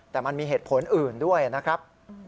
แต่มันมีเหตุผลอื่นด้วยนะครับ